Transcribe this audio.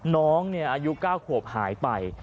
น้องเนี่ยอายุ๙ขวบหายไป